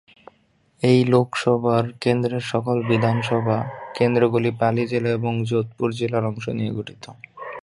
এই লোকসভা কেন্দ্রের সকল বিধানসভা কেন্দ্রগুলি পালি জেলা এবং যোধপুর জেলার অংশ নিয়ে গঠিত।